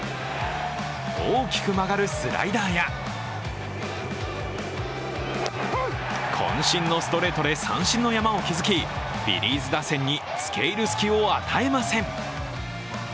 大きく曲がるスライダーやこん身のストレートで三振の山を築き、フィリーズ打線につけいる隙を与えません。